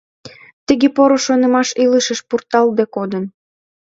Тыге поро шонымаш илышыш пурталтде кодын.